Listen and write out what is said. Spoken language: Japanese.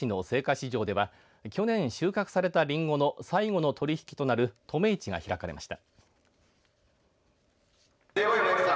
市場では去年、収穫されたりんごの最後の取り引きとなる止め市が開かれました。